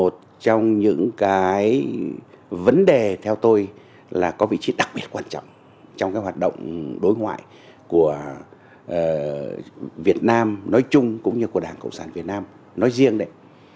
một trong những cái vấn đề theo tôi là có vị trí đặc biệt quan trọng trong cái hoạt động đối ngoại của việt nam nói chung cũng như của đảng cộng sản việt nam nói riêng đấy